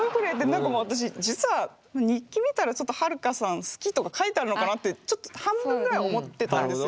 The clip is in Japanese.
なんか私実は日記見たら「はるかさん好き」とか書いてあるのかなってちょっと半分ぐらい思ってたんですよ。